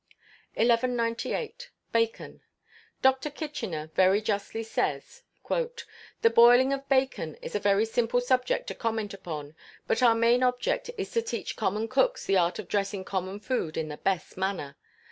1198. Bacon. Dr. Kitchiner very justly says: "The boiling of bacon is a very simple subject to comment upon; but our main object is to teach common cooks the art of dressing common food in the best manner.